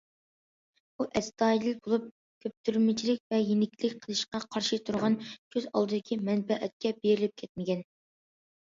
ئۇ ئەستايىدىل بولۇپ، كۆپتۈرمىچىلىك ۋە يېنىكلىك قىلىشقا قارشى تۇرغان، كۆز ئالدىدىكى مەنپەئەتكە بېرىلىپ كەتمىگەن.